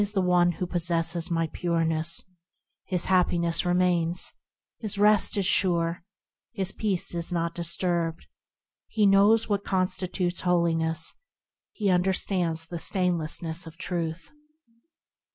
he it is who possesses my Pureness ; His happiness remains; His rest is sure ; His peace is not disturbed; He knows what constitutes holiness ; He understands the stainlessness of Truth.